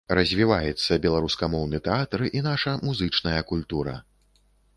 Развіваецца беларускамоўны тэатр і наша музычная культура.